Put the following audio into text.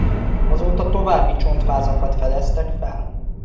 Azóta további csontvázakat fedeztek fel.